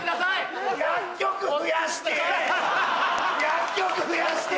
薬局増やして！